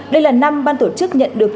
đây là năm ban tổ chức nhận được